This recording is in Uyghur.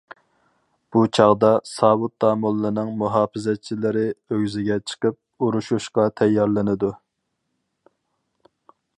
بۇ چاغدا، ساۋۇت داموللىنىڭ مۇھاپىزەتچىلىرى ئۆگزىگە چىقىپ ئۇرۇشۇشقا تەييارلىنىدۇ.